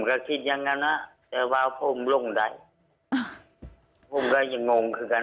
ก็คิดอย่างนั้นนะแต่ว่าผมลงได้ผมก็ยังงงคือกัน